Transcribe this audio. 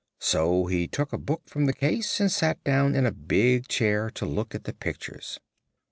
So he took a book from the case and sat down in a big chair to look at the pictures.